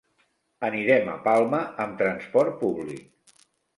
Anirem a Palma amb transport públic.